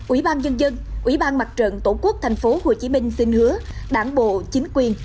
ủy ban nhân dân ủy ban mặt trận tổ quốc tp hcm xin hứa đảng bộ chính quyền